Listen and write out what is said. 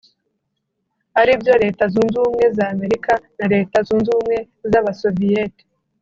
aribyo Leta zunze ubumwe z’Amerika na Leta zunze ubumwe z’abasoviete